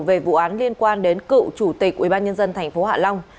về vụ án liên quan đến cựu chủ tịch ubnd tp hạ long